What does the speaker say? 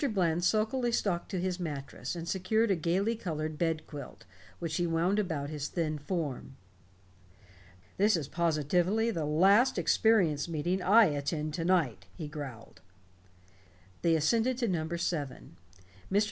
Bland sulkily stalked to his mattress and secured a gaily colored bed quilt, which he wound about his thin form. "This is positively the last experience meeting I attend to night," he growled. They ascended to number seven. Mr.